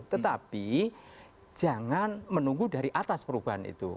tetapi jangan menunggu dari atas perubahan itu